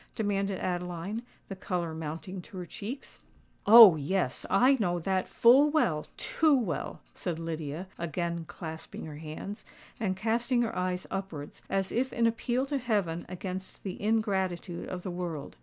demanded Adeline, the colour mounting to her cheeks. "Oh! yes,—I know that full well—too well," said Lydia, again clasping her hands, and casting her eyes upwards, as if in appeal to heaven against the ingratitude of the world.